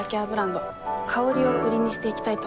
香りを売りにしていきたいと思っています。